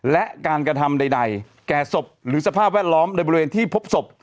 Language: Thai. และการกระทำใดแก่ศพหรือสภาพแวดล้อมในบริเวณที่พบศพ